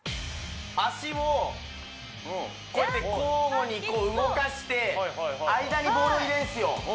足をこうやって交互にこう動かして間にボールを入れるんすよ